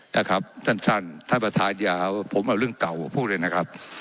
นะครับท่านท่านท่านประธานยาวผมเอาเรื่องเก่าพูดเลยนะครับ